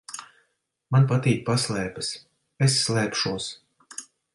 Man patīk paslēpes. Es slēpšos.